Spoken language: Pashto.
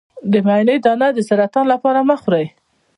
د مڼې دانه د سرطان لپاره مه خورئ